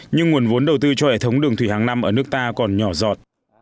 nhưng nguồn vốn đầu tư cho hệ thống đường thủy hàng năm ở nước ta còn nhỏ giọt